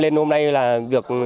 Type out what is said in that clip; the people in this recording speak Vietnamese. hai ngày rồi